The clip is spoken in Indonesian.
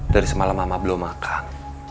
dari semalam mama belum makan